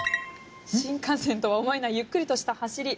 新幹線とは思えないゆっくりとした走り。